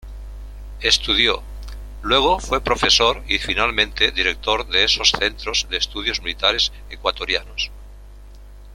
Estudió, luego fue Profesor y finalmente Director de esos centros de estudios militares ecuatorianos.